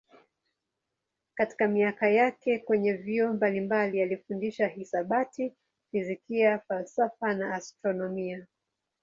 Katika miaka yake kwenye vyuo mbalimbali alifundisha hisabati, fizikia, falsafa na astronomia.